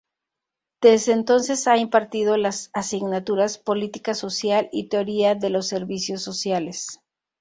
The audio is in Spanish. Desde entonces ha impartido las asignaturas Política social y Teoría de los Servicios Sociales.